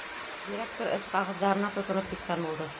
Директор эш ҡағыҙҙарына тотоноп киткән булды.